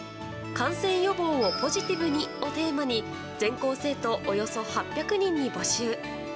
「感染予防をポジティブに」をテーマに全校生徒およそ８００人に募集。